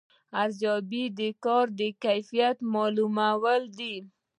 ارزیابي د کار د کیفیت معلومول دي